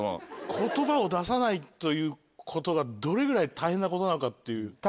言葉を出さないということがどれぐらい大変なことなのかっていう。